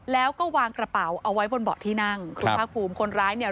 แล้วก็วางกระเป๋าเอาไว้บนเบาะที่นั่งคุณภาคภูมิคนร้ายเนี่ย